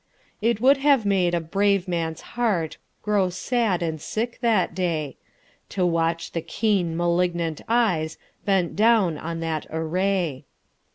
It would have made a brave man's heartGrow sad and sick that day, To watch the keen malignant eyesBent down on that array.